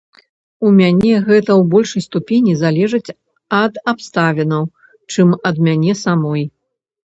У мяне гэта ў большай ступені залежыць ад абставінаў, чым ад мяне самой.